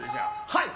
はい。